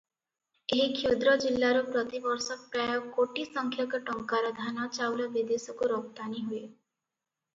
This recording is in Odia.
ଏହି କ୍ଷୁଦ୍ର ଜିଲ୍ଲାରୁ ପ୍ରତିବର୍ଷ ପ୍ରାୟ କୋଟି ସଂଖ୍ୟକ ଟଙ୍କାର ଧାନ ଚାଉଳ ବିଦେଶକୁ ରପ୍ତାନି ହୁଏ ।